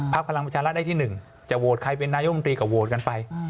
ภักดิ์พลังประชารัฐได้ที่หนึ่งจะโวตใครเป็นนายกว่ากันไป